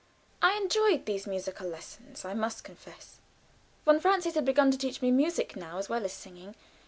I enjoyed these music lessons, I must confess. Von Francius had begun to teach me music now, as well as singing.